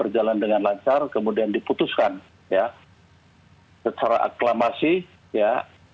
jenderal andika perkasa